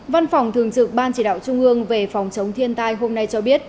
văn phòng thường trực ban chỉ đạo trung ương về phòng chống thiên tai hôm nay cho biết